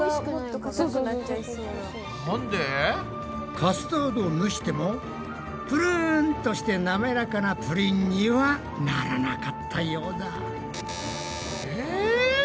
カスタードを蒸してもぷるんとしてなめらかなプリンにはならなかったようだ。え？